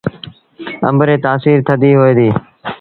آݩب ريٚ تآسيٚر ٿڌي هوئي ديٚ۔